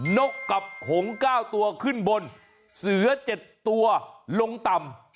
นกกับหง๙ตัวขึ้นบนเสือ๗ตัวลงต่ำ